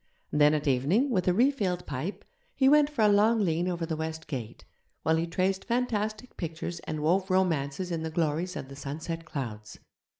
Then at evening, with a refilled pipe, he went for a long lean over the west gate, while he traced fantastic pictures and wove romances in the glories of the sunset clouds.